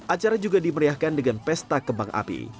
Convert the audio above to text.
acara juga dimeriahkan dengan pesta kembang api